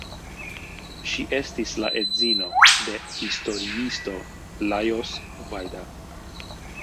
Ŝi estis la edzino de historiisto Lajos Vajda.